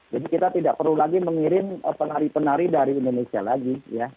jadi kita tidak perlu lagi mengirim penari penari dari indonesia lagi